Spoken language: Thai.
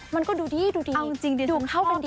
มันก็ดูดีดูเข้ากันดี